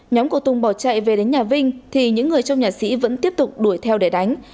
nhóm của tùng bỏ chạy về đến nhà vinh thì những người trong nhà sĩ vẫn tiếp tục đuổi theo để đánh